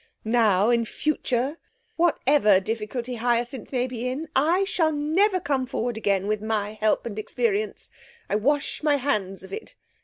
Now, in future, whatever difficulty Hyacinth may be in, I shall never come forward again with my help and experience. I wash my hands of it.